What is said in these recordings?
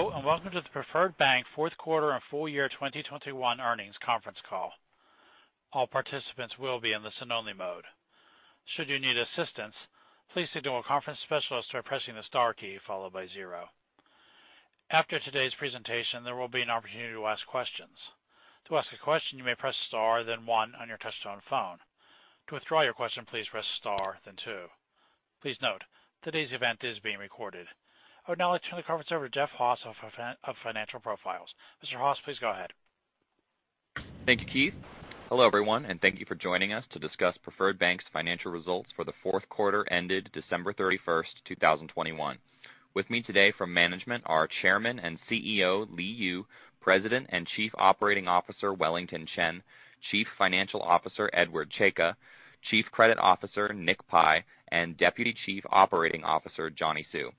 Hello, and Welcome to the Preferred Bank Fourth Quarter and Full year 2021 Earnings Conference Call. All participants will be in the listen-only mode. Should you need assistance, please signal a conference specialist by pressing the star key followed by zero. After today's presentation, there will be an opportunity to ask questions. To ask a question, you may press star then one on your touch-tone phone. To withdraw your question, please press star then two. Please note, today's event is being recorded. I would now like to turn the conference over to Jeff Haas of Financial Profiles. Mr. Haas, please go ahead. Thank you, Keith. Hello, everyone, and thank you for joining us to discuss Preferred Bank's financial results for the fourth quarter ended December 31, 2021. With me today from management are Chairman and CEO, Li Yu, President and Chief Operating Officer, Wellington Chen, Chief Financial Officer, Edward Czajka, Chief Credit Officer, Nick Pi, and Deputy Chief Operating Officer, Johnny Hsu.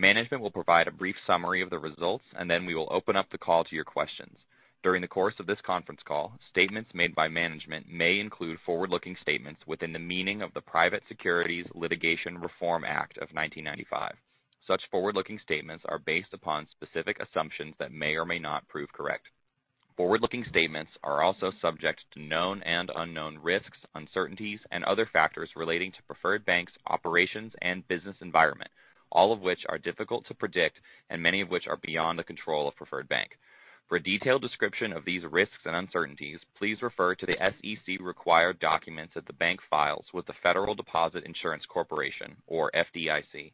Management will provide a brief summary of the results, and then we will open up the call to your questions. During the course of this conference call, statements made by management may include forward-looking statements within the meaning of the Private Securities Litigation Reform Act of 1995. Such forward-looking statements are based upon specific assumptions that may or may not prove correct. Forward-looking statements are also subject to known and unknown risks, uncertainties and other factors relating to Preferred Bank's operations and business environment, all of which are difficult to predict and many of which are beyond the control of Preferred Bank. For a detailed description of these risks and uncertainties, please refer to the SEC required documents that the bank files with the Federal Deposit Insurance Corporation or FDIC.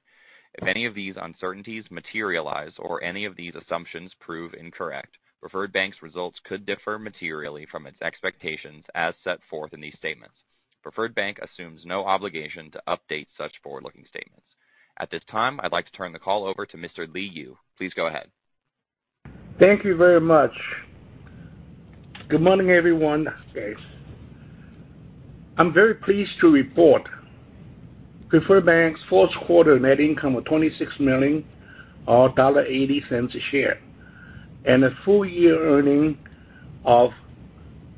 If any of these uncertainties materialize or any of these assumptions prove incorrect, Preferred Bank's results could differ materially from its expectations as set forth in these statements. Preferred Bank assumes no obligation to update such forward-looking statements. At this time, I'd like to turn the call over to Mr. Li Yu. Please go ahead. Thank you very much. Good morning, everyone. I'm very pleased to report Preferred Bank's fourth quarter net income of $26 million or $0.80 a share, and a full year earning of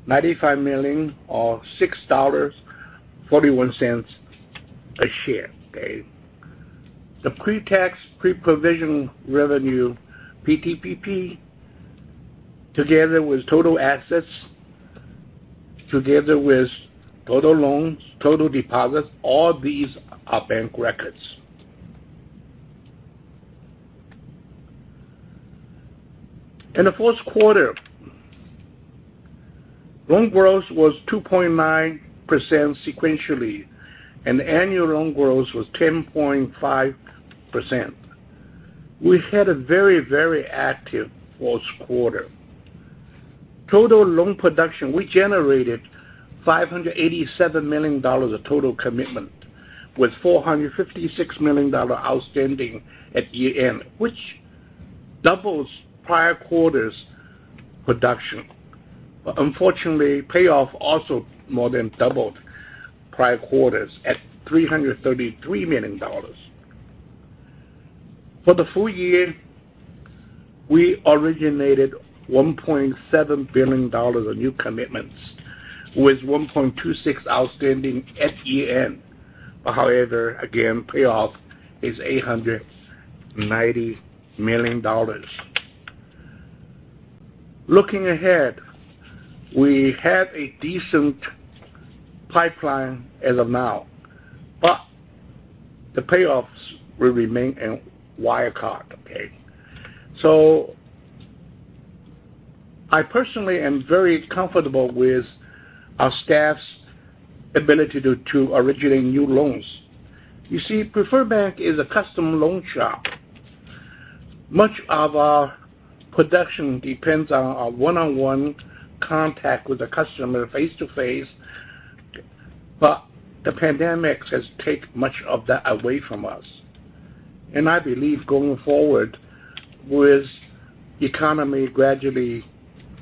$95 million or $6.41 a share. Okay. The pre-tax, pre-provision revenue, PTPP, together with total assets, together with total loans, total deposits, all these are bank records. In the fourth quarter, loan growth was 2.9% sequentially, and annual loan growth was 10.5%. We had a very, very active fourth quarter. Total loan production, we generated $587 million of total commitment with $456 million outstanding at year-end, which doubles prior quarter's production. But unfortunately, payoff also more than doubled prior quarters at $333 million. For the full year, we originated $1.7 billion of new commitments with $1.26 billion outstanding at year-end. However, again, payoff is $890 million. Looking ahead, we have a decent pipeline as of now, but the payoffs will remain a wild card. I personally am very comfortable with our staff's ability to originate new loans. You see, Preferred Bank is a custom loan shop. Much of our production depends on our one-on-one contact with the customer face-to-face, but the pandemic has taken much of that away from us. I believe going forward with the economy gradually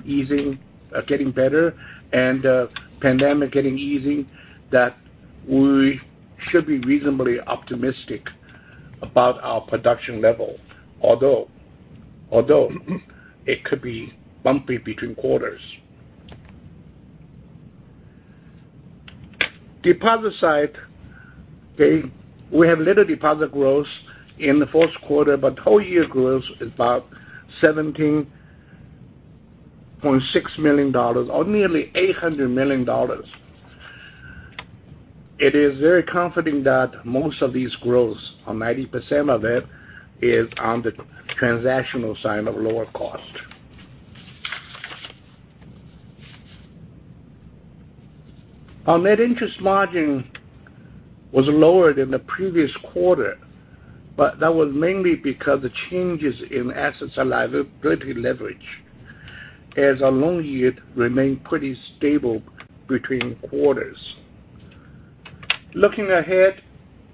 easing, getting better and pandemic getting easier, that we should be reasonably optimistic about our production level, although it could be bumpy between quarters. Deposit side. Okay, we have little deposit growth in the fourth quarter, but full year growth is about $17.6 million or nearly $800 million. It is very comforting that most of this growth or 90% of it is on the transactional side of lower cost. Our net interest margin was lower than the previous quarter, but that was mainly because of the changes in asset and liability leverage as our loan yield remained pretty stable between quarters. Looking ahead,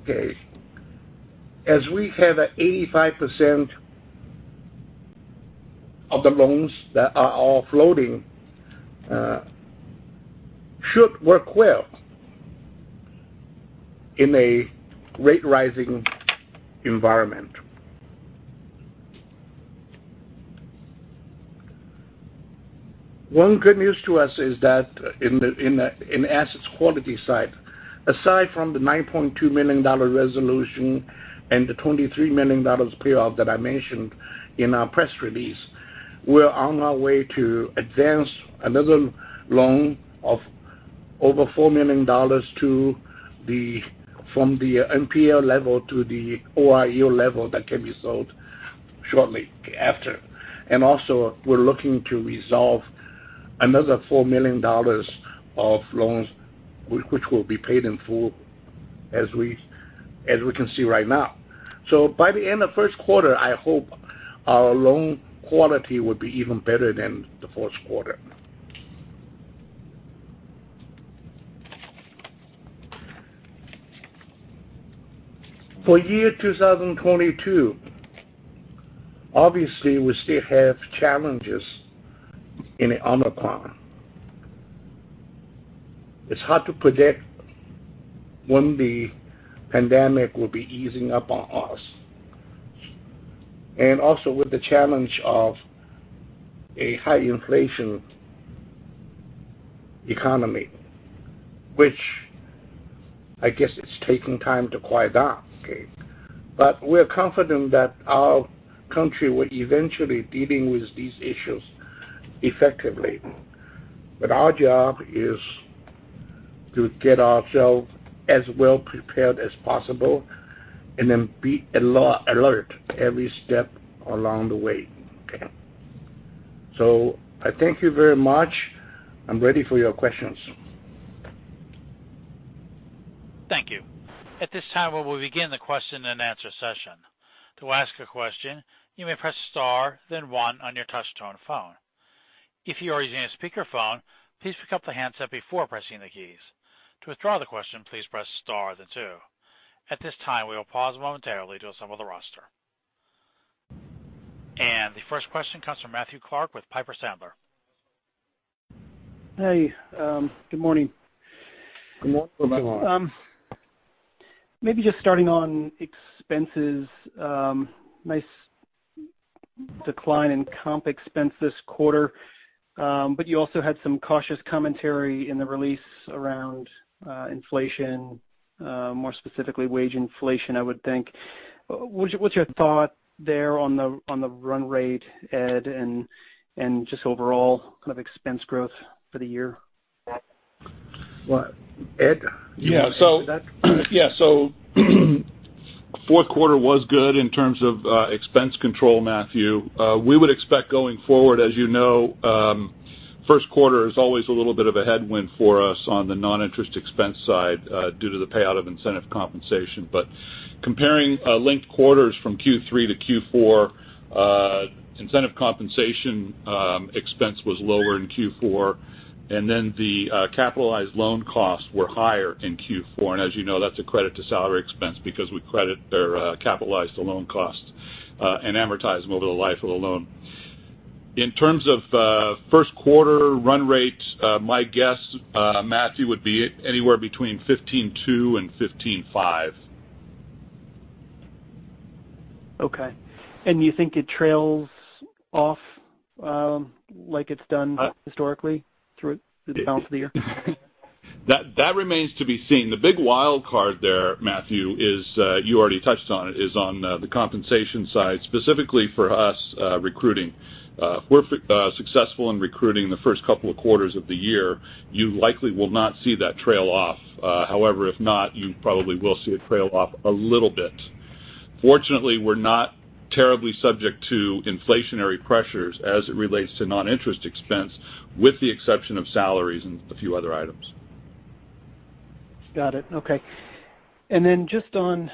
as we have 85% of the loans that are all floating, should work well in a rising rate environment. One good news to us is that in the asset quality side, aside from the $9.2 million resolution and the $23 million payoff that I mentioned in our press release, we're on our way to advance another loan of over $4 million from the NPL level to the OREO level that can be sold shortly after. We're looking to resolve another $4 million of loans, which will be paid in full as we can see right now. By the end of first quarter, I hope our loan quality will be even better than the fourth quarter. For 2022, obviously, we still have challenges in Omicron. It's hard to predict when the pandemic will be easing up on us. Also, with the challenge of a high inflation economy, which I guess it's taking time to quiet down, okay? We're confident that our country will eventually dealing with these issues effectively. Our job is to get ourselves as well prepared as possible and then be alert every step along the way. Okay. I thank you very much. I'm ready for your questions. Thank you. At this time, we will begin the question-and-answer session. To ask a question, you may press star then one on your touchtone phone. If you are using a speakerphone, please pick up the handset before pressing the keys. To withdraw the question, please press star then two. At this time, we will pause momentarily to assemble the roster. The first question comes from Matthew Clark with Piper Sandler. Hey, good morning. Good morning. Good morning. Maybe just starting on expenses, nice decline in comp expense this quarter, but you also had some cautious commentary in the release around inflation, more specifically wage inflation, I would think. What's your thought there on the run rate, Ed, and just overall kind of expense growth for the year? What? Ed? Yeah. You want to answer that? Yeah. Fourth quarter was good in terms of expense control, Matthew. We would expect going forward, as you know, first quarter is always a little bit of a headwind for us on the non-interest expense side due to the payout of incentive compensation. Comparing linked quarters from Q3 to Q4, incentive compensation expense was lower in Q4, and then the capitalized loan costs were higher in Q4. As you know, that's a credit to salary expense because we credit their capitalized loan costs and amortize them over the life of the loan. In terms of first quarter run rate, my guess, Matthew, would be anywhere between $15.2 million and $15.5 million. Okay. You think it trails off, like it's done historically through the balance of the year? That remains to be seen. The big wild card there, Matthew, is you already touched on it, is on the compensation side, specifically for us, recruiting. If we're successful in recruiting the first couple of quarters of the year, you likely will not see that trail off. However, if not, you probably will see it trail off a little bit. Fortunately, we're not terribly subject to inflationary pressures as it relates to non-interest expense, with the exception of salaries and a few other items. Got it. Okay. Just on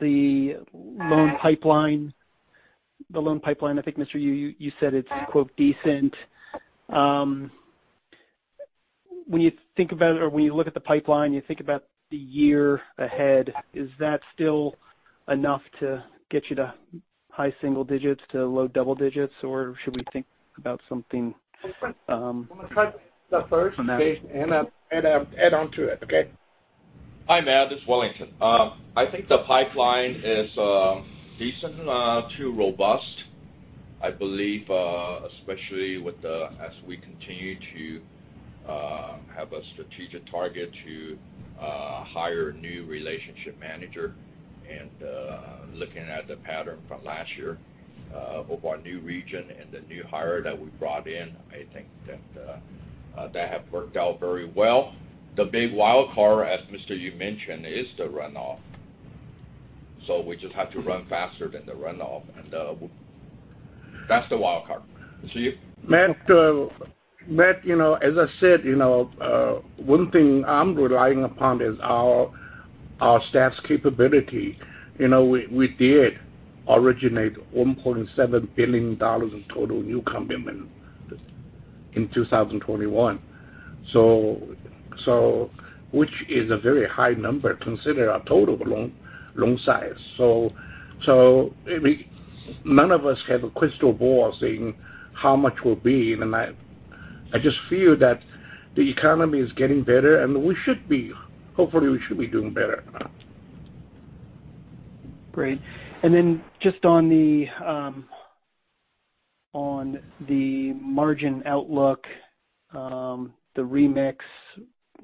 the loan pipeline, I think, Mr. Yu, you said it's, quote, decent. When you think about or when you look at the pipeline, you think about the year ahead, is that still enough to get you to high single digits to low double digits, or should we think about something? I'm gonna take that first, and add on to it. Okay. Hi, Matt, this is Wellington. I think the pipeline is decent to robust. I believe, especially as we continue to have a strategic target to hire new relationship manager and looking at the pattern from last year of our new region and the new hire that we brought in, I think that that have worked out very well. The big wild card, as Mr. Li Yu mentioned, is the runoff. We just have to run faster than the runoff. That's the wild card. Mr. Li Yu. Matt, you know, as I said, you know, one thing I'm relying upon is our staff's capability. You know, we did originate $1.7 billion in total new commitment just in 2021. So none of us have a crystal ball saying how much will be in the next. I just feel that the economy is getting better, and hopefully we should be doing better. Great. Just on the margin outlook, the remix,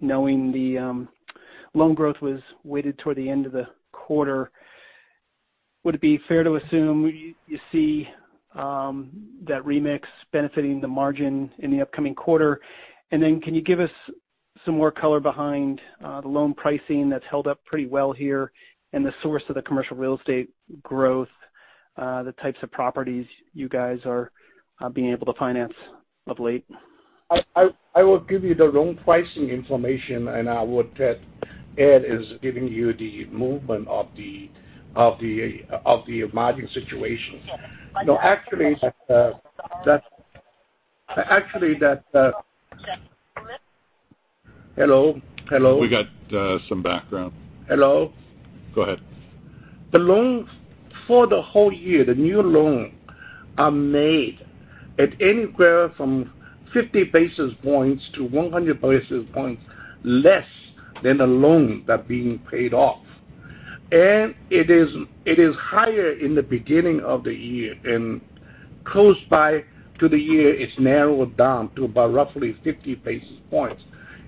knowing the loan growth was weighted toward the end of the quarter, would it be fair to assume you see that remix benefiting the margin in the upcoming quarter? Can you give us some more color behind the loan pricing that's held up pretty well here and the source of the commercial real estate growth, the types of properties you guys are being able to finance of late? I will give you the loan pricing information, and I would let Edward give you the movement of the margin situation. No, actually. Hello. Hello. We got some background. Hello. Go ahead. The loans for the whole year, the new loan are made at anywhere from 50 basis points to 100 basis points less than the loan that being paid off. It is higher in the beginning of the year and close by to the year, it's narrowed down to about roughly 50 basis points.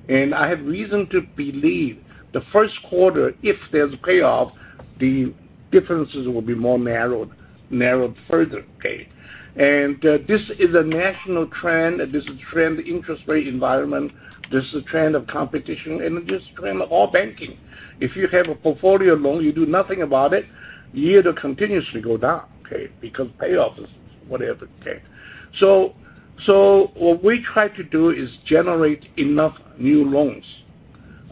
I have reason to believe the first quarter, if there's a payoff, the differences will be more narrowed further. Okay. This is a national trend. This is a trend interest rate environment. This is a trend of competition, and this is a trend of all banking. If you have a portfolio loan, you do nothing about it, year it'll continuously go down, okay, because payoff is whatever. Okay. What we try to do is generate enough new loans,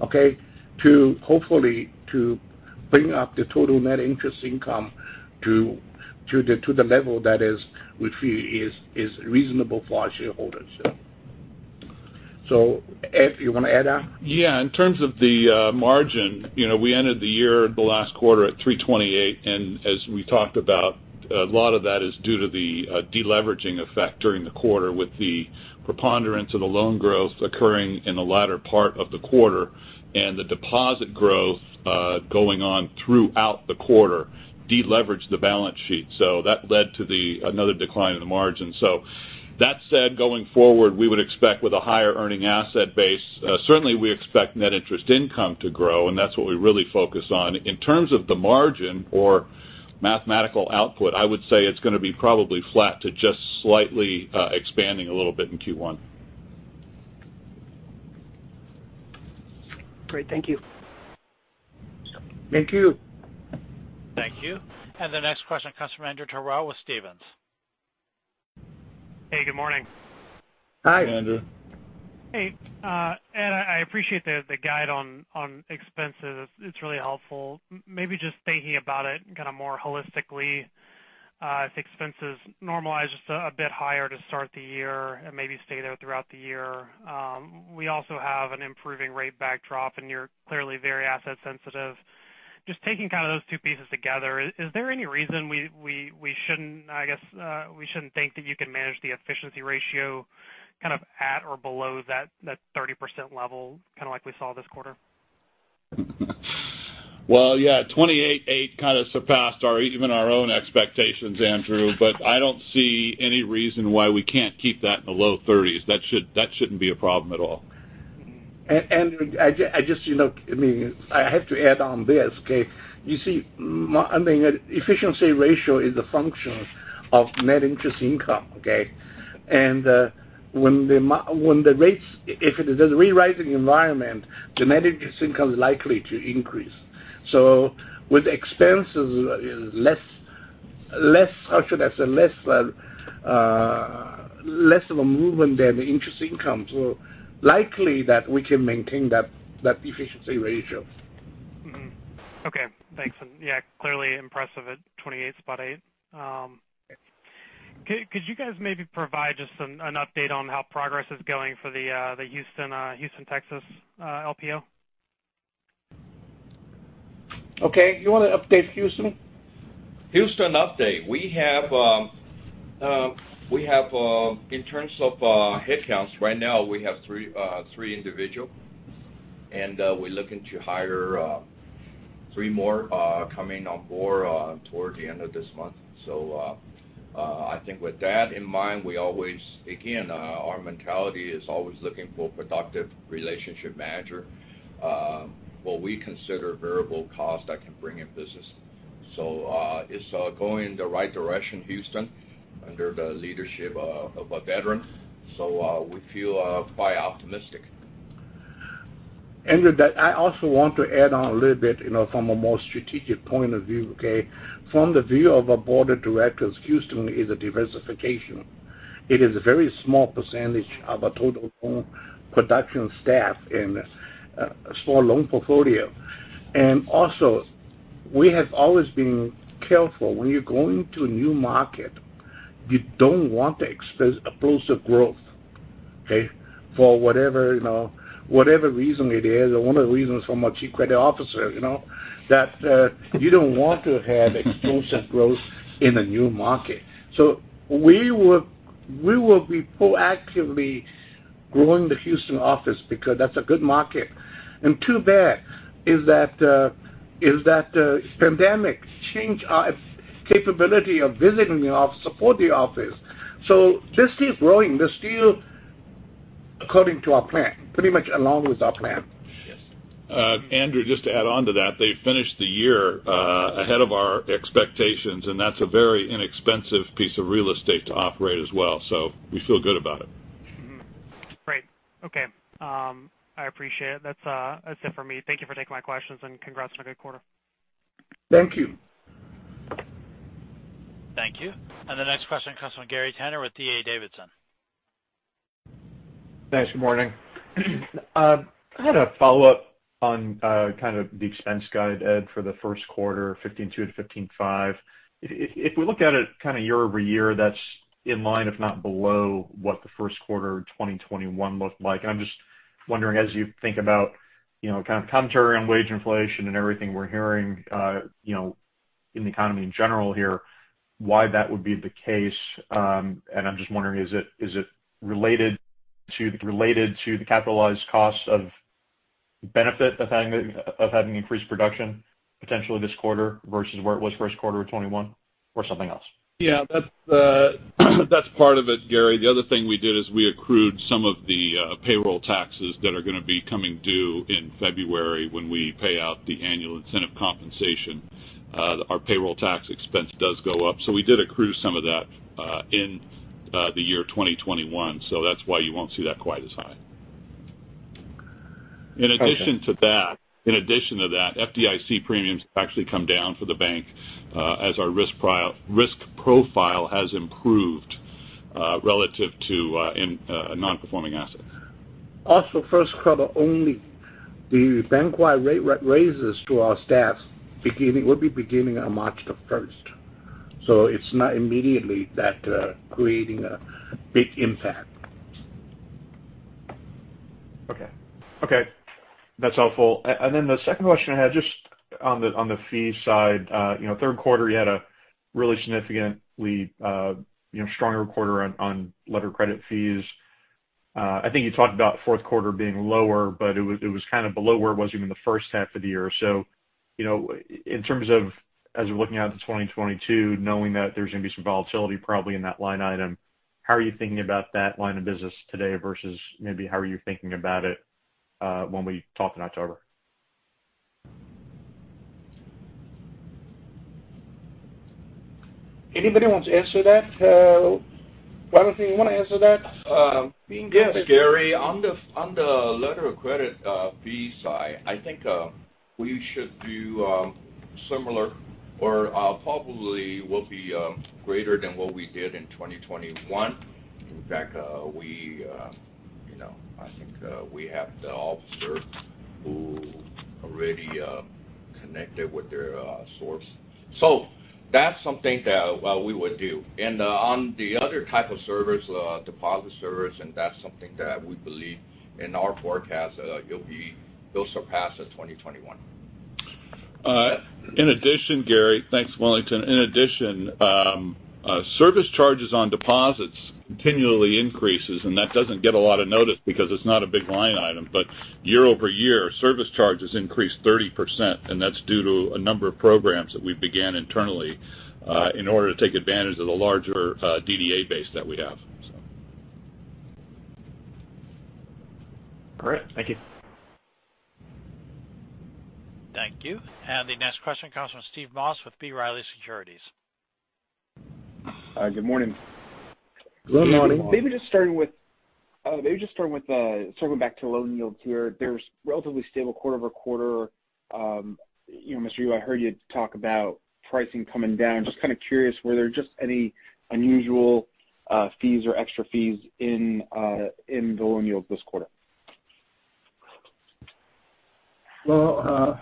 okay, to hopefully bring up the total net interest income to the level that is, we feel is reasonable for our shareholders. Ed, you want to add on? Yeah. In terms of the margin, you know, we ended the year, the last quarter at 3.28%, and as we talked about, a lot of that is due to the deleveraging effect during the quarter with the preponderance of the loan growth occurring in the latter part of the quarter and the deposit growth going on throughout the quarter deleveraged the balance sheet. That led to another decline in the margin. That said, going forward, we would expect with a higher earning asset base, certainly we expect net interest income to grow, and that's what we really focus on. In terms of the margin or mathematical output, I would say it's gonna be probably flat to just slightly expanding a little bit in Q1. Great. Thank you. Thank you. Thank you. The next question comes from Andrew Terrell with Stephens. Hey, good morning. Hi. Good morning, Andrew. Hey, Ed, I appreciate the guide on expenses. It's really helpful. Maybe just thinking about it kind of more holistically, if expenses normalize just a bit higher to start the year and maybe stay there throughout the year. We also have an improving rate backdrop, and you're clearly very asset sensitive. Just taking kind of those two pieces together, is there any reason, I guess, we shouldn't think that you can manage the efficiency ratio kind of at or below that 30% level, kind of like we saw this quarter? Well, yeah, 28.8% kind of surpassed our, even our own expectations, Andrew, but I don't see any reason why we can't keep that in the low 30%. That shouldn't be a problem at all. I just, you know, I mean, I have to add on this, okay? You see, I mean, efficiency ratio is a function of net interest income, okay? When the rates—if it is a rising environment, the net interest income is likely to increase. With expenses less—how should I say—less of a movement than the interest income, likely that we can maintain that efficiency ratio. Mm-hmm. Okay, thanks. Yeah, clearly impressive at 28.8%. Could you guys maybe provide just an update on how progress is going for the Houston, Texas LPO? Okay. You want to update Houston? Houston update. We have in terms of headcounts, right now we have three individuals, and we're looking to hire three more coming on board toward the end of this month. I think with that in mind, we always, again, our mentality is always looking for productive relationship managers, what we consider variable costs that can bring in business. It's going in the right direction, Houston, under the leadership of a veteran. We feel quite optimistic. Andrew, that I also want to add on a little bit, you know, from a more strategic point of view, okay. From the view of a Board of Directors, Houston is a diversification. It is a very small percentage of a total loan production staff and a small loan portfolio. Also, we have always been careful when you go into a new market, you don't want explosive growth, okay. For whatever, you know, whatever reason it is, one of the reasons from a Chief Credit Officer, you know, that you don't want to have explosive growth in a new market. We will be proactively growing the Houston office because that's a good market. Too bad is that the pandemic changed our capability of visiting the office, support the office. They're still growing. They're still according to our plan, pretty much along with our plan. Yes. Andrew, just to add on to that, they finished the year ahead of our expectations, and that's a very inexpensive piece of real estate to operate as well, so we feel good about it. Mm-hmm. Great. Okay. I appreciate it. That's it for me. Thank you for taking my questions, and congrats on a good quarter. Thank you. Thank you. The next question comes from Gary Tenner with D.A. Davidson. Thanks. Good morning. I had a follow-up on kind of the expense guide, Ed, for the first quarter, $15.2 million and $15.5 million. If we look at it kind of year-over-year, that's in line, if not below, what the first quarter of 2021 looked like. I'm just wondering, as you think about, you know, kind of commentary on wage inflation and everything we're hearing, you know, in the economy in general here, why that would be the case. I'm just wondering, is it related to the capitalized costs of benefit of having increased production potentially this quarter versus where it was first quarter of 2021 or something else? Yeah. That's part of it, Gary. The other thing we did is we accrued some of the payroll taxes that are gonna be coming due in February when we pay out the annual incentive compensation. Our payroll tax expense does go up. We did accrue some of that in the year 2021, so that's why you won't see that quite as high. Okay. In addition to that, FDIC premiums actually come down for the bank as our risk profile has improved relative to non-performing assets. Also, first quarter only, the bank-wide rate raise is to our staff, beginning on March the first. It's not immediately that's creating a big impact. Okay. That's helpful. The second question I had, just on the fee side. You know, third quarter, you had a really significantly, you know, stronger quarter on letter of credit fees. I think you talked about fourth quarter being lower, but it was kind of below where it was even the first half of the year. You know, in terms of as we're looking out to 2022, knowing that there's gonna be some volatility probably in that line item, how are you thinking about that line of business today versus maybe how are you thinking about it when we talked in October? Anybody wants to answer that? Wellington, you wanna answer that? Yeah. Gary, on the letter of credit fee side, I think we should do similar or probably will be greater than what we did in 2021. In fact, you know, I think we have the officer who already connected with their source. So that's something that we would do. On the other type of service, deposit service, that's something that we believe in our forecast, it'll surpass the 2021. In addition, Gary. Thanks, Wellington. In addition, service charges on deposits continually increases, and that doesn't get a lot of notice because it's not a big line item. Year-over-year, service charges increased 30%, and that's due to a number of programs that we began internally in order to take advantage of the larger DDA base that we have. All right. Thank you. Thank you. The next question comes from Steve Moss with B. Riley Securities. Good morning. Good morning. Good morning. Maybe just starting with circling back to loan yields here. They were relatively stable quarter-over-quarter. You know, Mr. Li Yu, I heard you talk about pricing coming down. Just kind of curious, were there just any unusual fees or extra fees in loan yield this quarter? Well.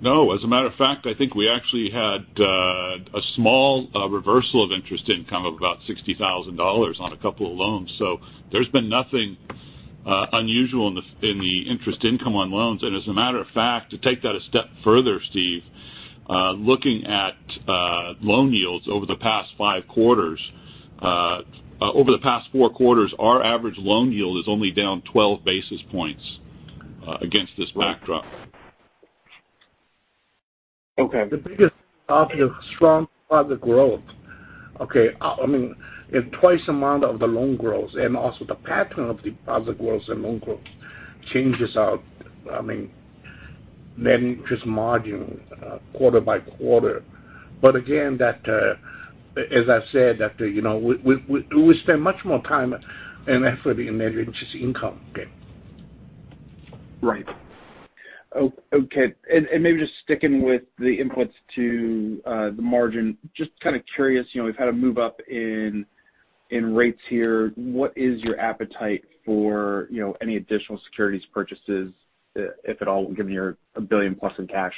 No. As a matter of fact, I think we actually had a small reversal of interest income of about $60,000 on a couple of loans. There's been nothing unusual in the interest income on loans. As a matter of fact, to take that a step further, Steve, looking at loan yields over the past five quarters, over the past four quarters, our average loan yield is only down 12 basis points against this backdrop. Okay. The biggest factor is strong deposit growth. Okay. I mean, it's twice amount of the loan growth and also the pattern of deposit growth and loan growth changes our, I mean, net interest margin, quarter by quarter. But again, that, as I said, that, you know, we spend much more time and effort in net interest income. Okay. Right. Okay. Maybe just sticking with the inputs to the margin, just kind of curious, you know, we've had a move up in rates here. What is your appetite for, you know, any additional securities purchases, if at all, given you're $1 billion+ in cash?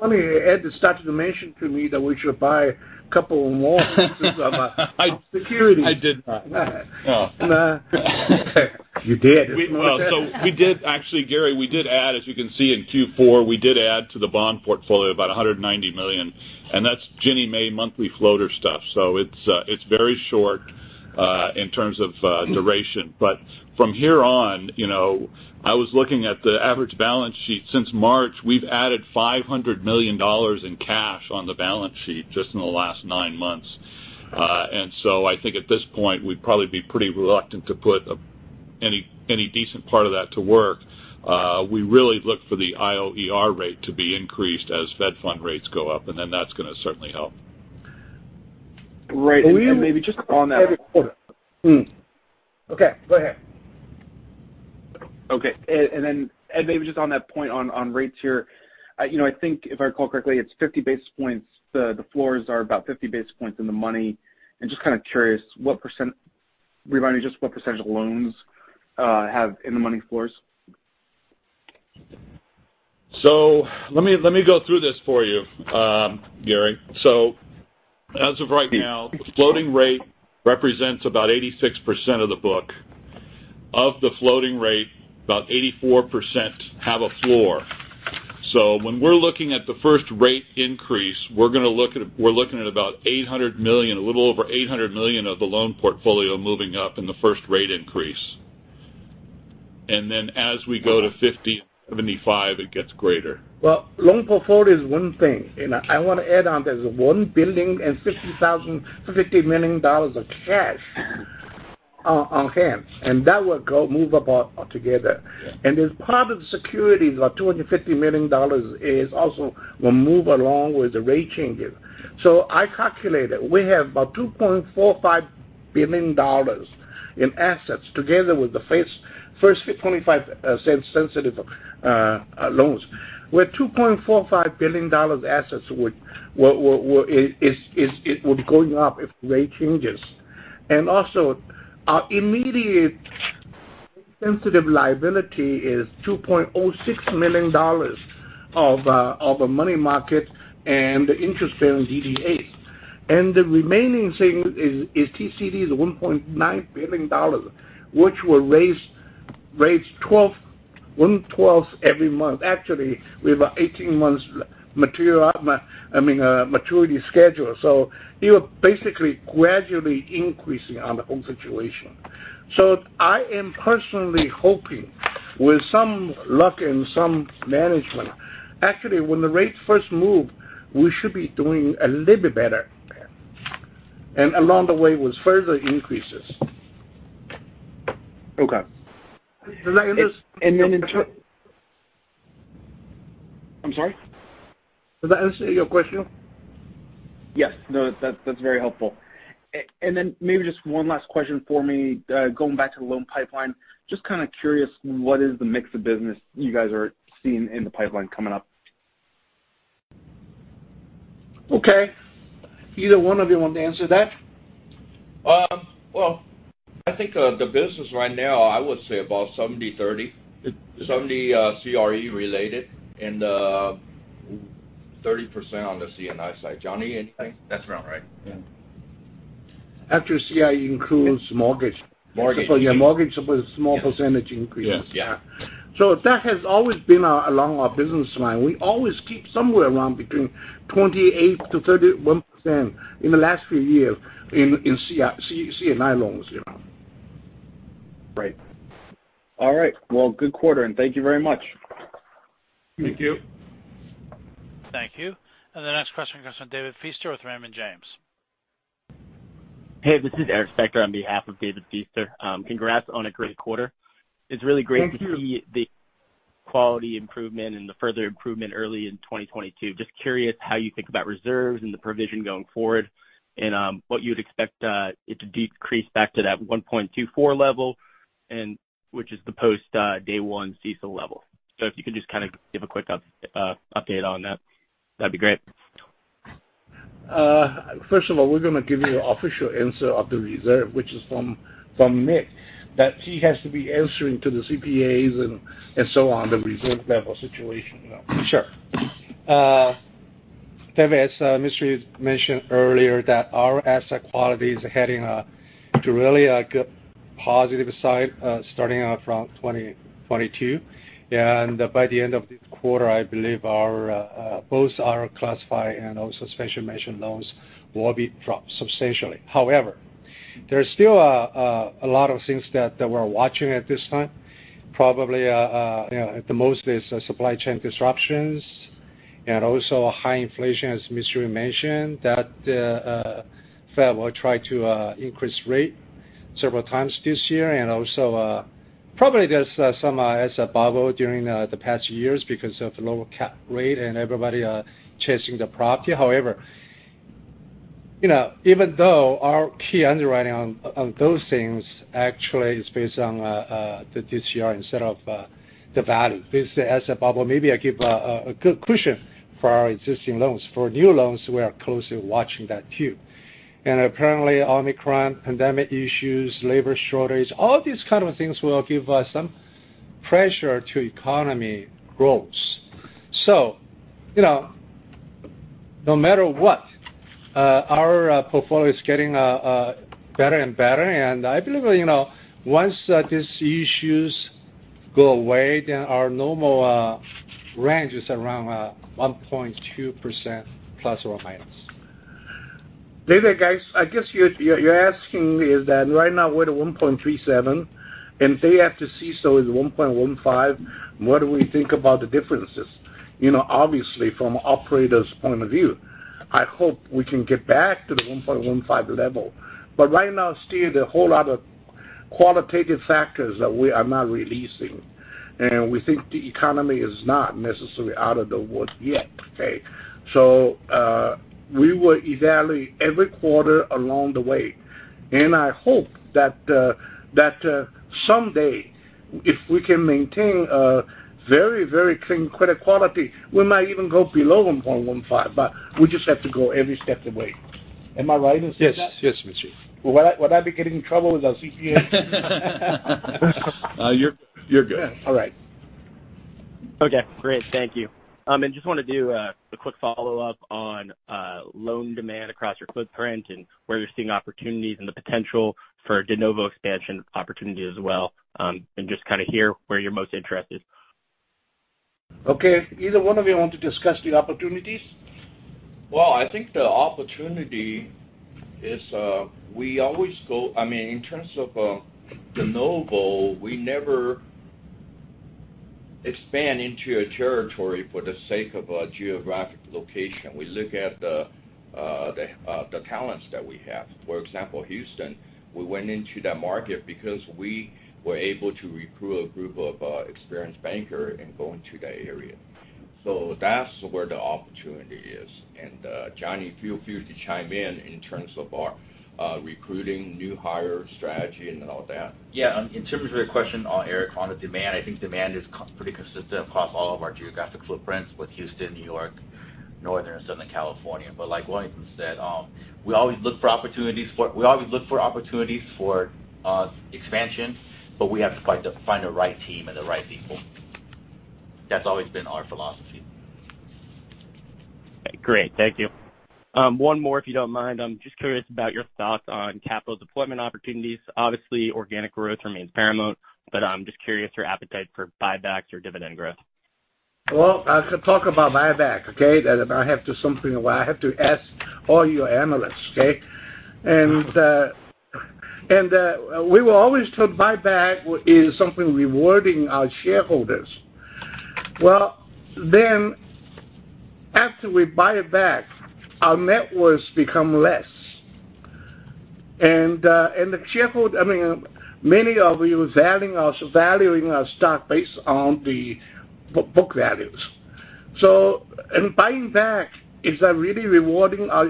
Let me add that Scott mentioned to me that we should buy a couple more pieces of securities. I did not. Well... You did. Actually, Gary, we did add, as you can see in Q4, to the bond portfolio about $190 million, and that's Ginnie Mae monthly floater stuff. It's very short in terms of duration. From here on, you know, I was looking at the average balance sheet. Since March, we've added $500 million in cash on the balance sheet just in the last nine months. I think at this point, we'd probably be pretty reluctant to put any decent part of that to work. We really look for the IOER rate to be increased as Fed Funds rates go up, and then that's gonna certainly help. Right. Maybe just on that. And we, Mm-hmm. Okay, go ahead. Okay. Maybe just on that point on rates here, you know, I think if I recall correctly, it's 50 basis points. The floors are about 50 basis points in the money. Just kinda curious, remind me just what percentage of loans have in the money floors. Let me go through this for you, Gary. As of right now, the floating rate represents about 86% of the book. Of the floating rate, about 84% have a floor. When we're looking at the first rate increase, we're looking at about $800 million, a little over $800 million of the loan portfolio moving up in the first rate increase. Then as we go to 50, 75, it gets greater. Well, loan portfolio is one thing, and I wanna add on, there's $1 billion and $50 million of cash on hand, and that will move about altogether. Yeah. As part of the securities, about $250 million is also will move along with the rate changes. I calculated, we have about $2.45 billion in assets together with the first $0.25 Sensitive loans, where $2.45 billion assets would is it would be going up if the rate changes. Also our immediate sensitive liability is $2.06 million of a money market and the interest bearing DDAs. The remaining thing is TCD is $1.9 billion, which will raise 12 one-twelfths every month. Actually, we have an 18 months maturity schedule. You're basically gradually increasing on the whole situation. I am personally hoping with some luck and some management, actually, when the rates first move, we should be doing a little bit better, along the way with further increases. Okay. Does that answer? And then [in terms], I'm sorry? Does that answer your question? Yes. No, that's very helpful. And then maybe just one last question for me, going back to the loan pipeline. Just kinda curious, what is the mix of business you guys are seeing in the pipeline coming up? Okay. Either one of you want to answer that? Well, I think the business right now, I would say about 70%-30%. 70% CRE related and 30% on the C&I side. Johnny, anything? That's about right. Yeah. After CRE includes mortgage. Mortgage. Your mortgage with small percentage increases. Yes. Yeah. That has always been along our business line. We always keep somewhere around between 28%-31% in the last few years in C&I loans, you know. Great. All right. Well, good quarter, and thank you very much. Thank you. Thank you. The next question comes from David Feaster with Raymond James. Hey, this is Eric Spector on behalf of David Feaster. Congrats on a great quarter. Thank you. It's really great to see the quality improvement and the further improvement early in 2022. Just curious how you think about reserves and the provision going forward, and what you'd expect it to decrease back to that 1.24 level, which is the post-day-one CECL level. If you could just kinda give a quick update on that'd be great. First of all, we're gonna give you official answer of the reserve, which is from Nick Pi, that he has to be answering to the CPAs and so on, the reserve level situation, you know. Sure. David, as Mr. Yu mentioned earlier that our asset quality is heading to really a good positive side, starting out from 2022. By the end of this quarter, I believe both our classified and also special mention loans will be dropped substantially. However, there's still a lot of things that we're watching at this time. Probably, you know, at the most is supply chain disruptions and also high inflation, as Mr. Yu mentioned that Fed will try to increase rate several times this year. Also, probably there's some asset bubble during the past years because of the lower cap rate and everybody chasing the property. However, you know, even though our key underwriting on those things actually is based on the DCR instead of the value, this asset bubble maybe give a good cushion for our existing loans. For new loans, we are closely watching that too. Apparently, Omicron, pandemic issues, labor shortage, all these kind of things will give some pressure to economic growth. You know, no matter what, our portfolio is getting better and better. I believe, you know, once these issues Our normal range is around 1.2%±. Maybe, guys, I guess you're asking me is that right now we're at 1.37%, and CECL is 1.15%, what do we think about the differences? You know, obviously, from an operator's point of view, I hope we can get back to the 1.15% level. Right now, still, there are a whole lot of qualitative factors that we are not releasing. We think the economy is not necessarily out of the woods yet, okay? We will evaluate every quarter along the way. I hope that someday, if we can maintain a very clean credit quality, we might even go below 1.15%, but we just have to go every step of the way. Am I right in saying that? Yes. Yes, we do. Will I be getting in trouble with our CPA? You're good. All right. Okay, great. Thank you. Just wanna do a quick follow-up on loan demand across your footprint and where you're seeing opportunities and the potential for de novo expansion opportunity as well, and just kinda hear where you're most interested. Okay. Either one of you want to discuss the opportunities? Well, I think the opportunity is, we always go. I mean, in terms of, de novo, we never expand into a territory for the sake of a geographic location. We look at the talents that we have. For example, Houston, we went into that market because we were able to recruit a group of, experienced banker in going to that area. So that's where the opportunity is. Johnny Hsu, feel free to chime in terms of our, recruiting new hire strategy and all that. Yeah. In terms of your question, Eric, on the demand, I think demand is pretty consistent across all of our geographic footprints with Houston, New York, Northern and Southern California. Like Wellington said, we always look for opportunities for expansion, but we have to find the right team and the right people. That's always been our philosophy. Great. Thank you. One more, if you don't mind. I'm just curious about your thoughts on capital deployment opportunities. Obviously, organic growth remains paramount, but I'm just curious your appetite for buybacks or dividend growth. Well, I should talk about buyback, okay? That's why I have to ask all you analysts, okay? We were always told buyback is something rewarding our shareholders. Well, then after we buy it back, our net worth become less. The shareholder, I mean, many of you is adding or valuing our stock based on the book values. In buying back, is that really rewarding our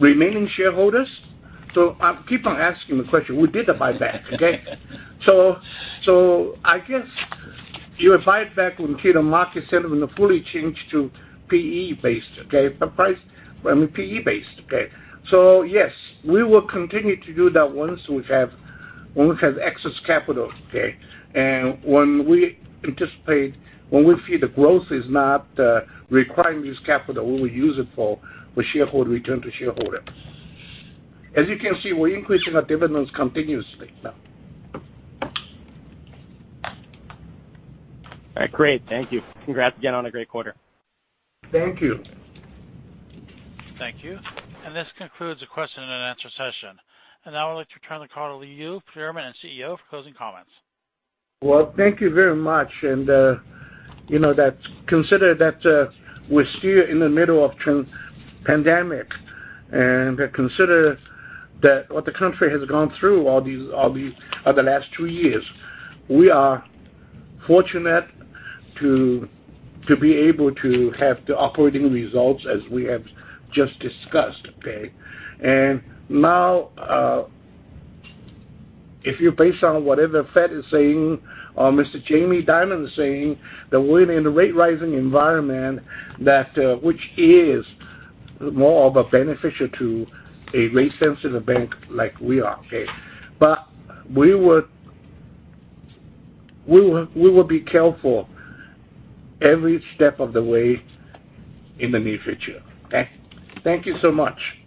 remaining shareholders? I keep on asking the question. We did the buyback, okay? I guess you buy back when, you know, market sentiment fully changed to PE based, okay, the price is PE based, okay? Yes, we will continue to do that once we have excess capital, okay? When we see the growth is not requiring this capital, we will use it for the shareholder return to shareholder. As you can see, we're increasing our dividends continuously now. All right, great. Thank you. Congrats again on a great quarter. Thank you. Thank you. This concludes the question and answer session. Now I'd like to turn the call to Li Yu, Chairman and CEO, for closing comments. Well, thank you very much. Consider that we're still in the middle of pandemic, and consider that what the country has gone through all these the last two years, we are fortunate to be able to have the operating results as we have just discussed, okay? Now, if you base on whatever Fed is saying or Mr. Jamie Dimon is saying, that we're in a rate rising environment that, which is more of a beneficial to a rate-sensitive bank like we are, okay? We will be careful every step of the way in the near future, okay. Thank you so much.